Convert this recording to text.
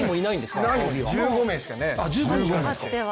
１５名しかいない。